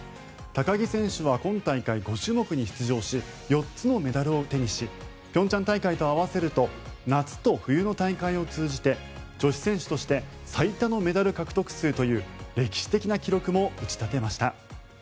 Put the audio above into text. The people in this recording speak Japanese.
高木選手は今大会５種目に出場し４つのメダルを手にし平昌大会と合わせると夏と冬の大会を通じて女子選手として最多のメダル獲得数という歴史的な記録も打ち立てました。